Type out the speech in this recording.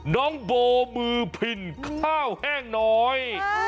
น้องโบมือพินข้าวแห้งน้อย